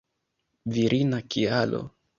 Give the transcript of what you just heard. Virina kialo.